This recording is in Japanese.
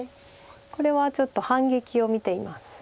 これはちょっと反撃を見ています。